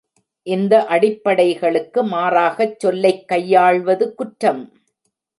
இந்த அடிப்படைகளுக்கு மாறாகச் சொல்லைக் கையாள்வது குற்றம்?